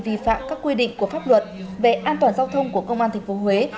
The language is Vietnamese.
vi phạm các quy định của pháp luật về an toàn giao thông của công an tp huế